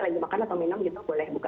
lagi makan atau minum gitu boleh buka